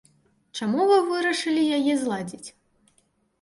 Чаму вы вырашылі яе зладзіць?